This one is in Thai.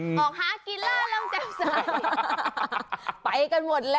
ออกหากีฬาล่องแจ่มใส